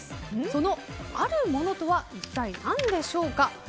そのあるものとは一体何でしょうか。